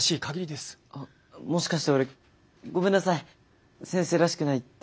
あっもしかして俺ごめんなさい「先生らしくない」って。